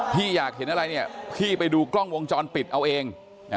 พี่อยากเห็นอะไรเนี่ยพี่ไปดูกล้องวงจรปิดเอาเอง